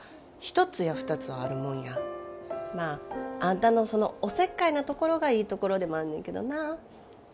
まああんたのそのおせっかいなところがいいところでもあんねんけどな。なあ？